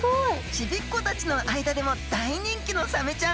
ちびっ子たちの間でも大人気のサメちゃん。